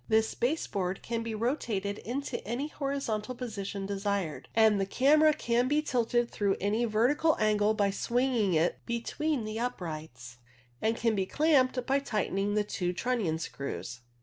This base board can be rotated into any horizontal position desired, and the camera can be tilted through any vertical angle by swinging it between the uprights, and can be clamped by tightening the two trunnion screws.